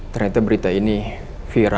ternyata berita ini viral di lovagram